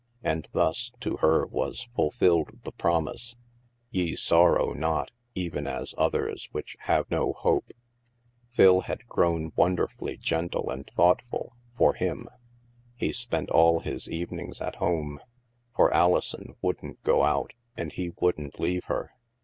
And thus to her was fulfilled the promise :" Ye sorrow not even as others which have no hope." ^ Phil had grown wonderfully gentle and thought ful, for him. He spent all his evenings at home, for Alison wouldn't go out, and he wouldn't leave her.